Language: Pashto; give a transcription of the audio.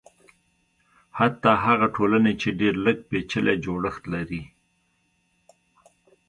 حتی هغه ټولنې چې ډېر لږ پېچلی جوړښت لري.